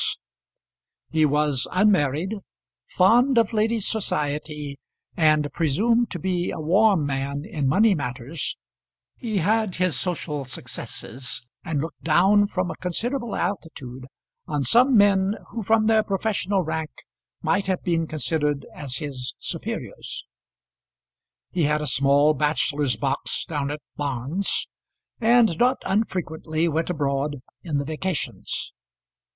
As he was unmarried, fond of ladies' society, and presumed to be a warm man in money matters, he had his social successes, and looked down from a considerable altitude on some men who from their professional rank might have been considered as his superiors. He had a small bachelor's box down at Barnes, and not unfrequently went abroad in the vacations.